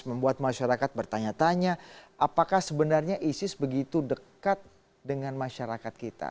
membuat masyarakat bertanya tanya apakah sebenarnya isis begitu dekat dengan masyarakat kita